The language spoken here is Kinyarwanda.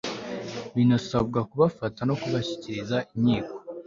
binasabwa kubafata no kubashyikiriza inkiko